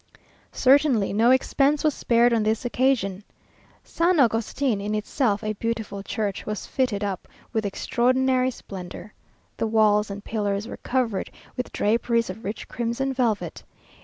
Certainly no expense was spared on this occasion. San Augustin, in itself a beautiful church, was fitted up with extraordinary splendour. The walls and pillars were covered with draperies of rich crimson velvet.